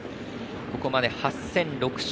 ここまで８戦６勝。